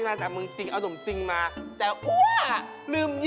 ชอบฝักยาวไหมชอบมากเลย